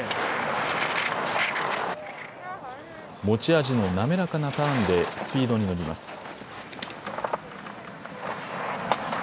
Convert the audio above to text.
持ち味の滑らかなターンでスピードに乗ります。